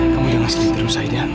kamu jangan sedih terus aida